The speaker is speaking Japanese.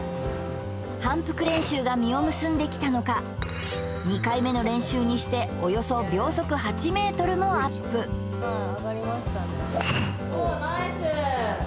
反復練習が実を結んできたのか２回目の練習にしておよそ秒速８メートルもアップおおナイス！